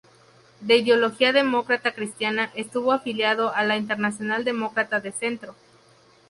De ideología demócrata cristiana, estuvo afiliado a la Internacional Demócrata de Centro.